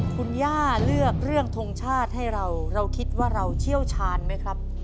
คุณย่าเลือกเรื่องทรงชาติให้เราเราคิดว่าเราเชี่ยวชาญไหมครับ